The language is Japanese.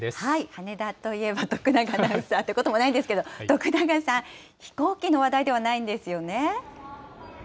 羽田といえば徳永アナウンサーってこともないんですけど、徳永さん、飛行機の話題ではないんですよね？